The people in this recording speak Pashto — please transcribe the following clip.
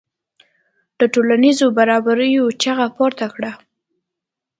د ټولنیزو برابریو چیغه پورته کړه.